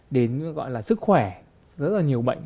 đến gọi là sức khỏe rất là nhiều bệnh